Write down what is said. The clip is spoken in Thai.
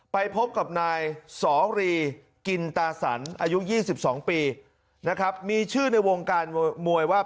ไปพบกับนายสอรีกินตาสันอายุ๒๒ปีนะครับมีชื่อในวงการมวยว่า